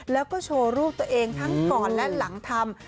แล้วก็โชว์รูปตัวเองทั้งก่อนและหลังทำ